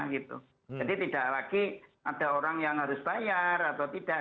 tidak lagi ada orang yang harus bayar atau tidak